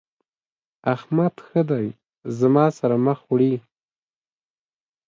احمد ښه دی زما سره مخ وړي.